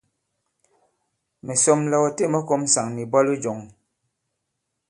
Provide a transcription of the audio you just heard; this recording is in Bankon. Mɛ̀ sɔm la ɔ têm ɔ kɔ̄m ŋsàŋ nì ìbwalo jɔ̄ŋ.